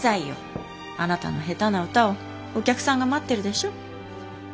あなたの下手な歌をお客さんが待ってるでしょ。